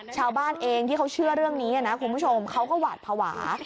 ชาวบ้านเองที่เขาเชื่อเรื่องนี้นะคุณผู้ชมเขาก็หวาดภาวะ